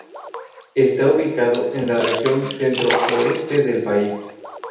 Está ubicado en la región Centro-Oeste del país.